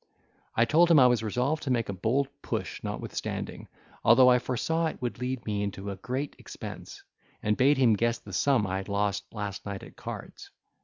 I told him I was resolved to make a bold push notwithstanding, although I foresaw it would lead me into a great expense; and bade him guess the sum I had lost last night at cards.